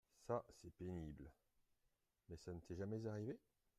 Ca, c’est pénible… mais ça ne t’est jamais arrivé ?